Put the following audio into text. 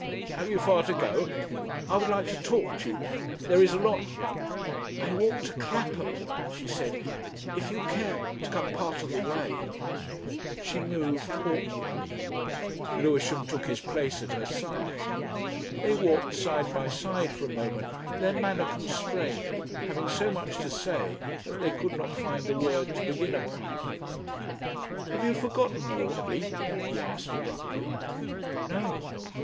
Have you far to go? I would like to talk to you. There is a lot ..." "I walk to Clapham," she said. "If you care ... to come part of the way ..." She moved awkwardly. Lewisham took his place at her side. They walked side by side for a moment, their manner constrained, having so much to say that they could not find a word to begin upon. "Have you forgotten Whortley?" he asked abruptly. "No."